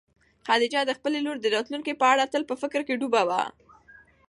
خدیجه د خپلې لور د راتلونکي په اړه تل په فکر کې ډوبه وه.